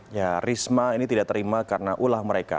ya risma ini tidak terima karena ulah mereka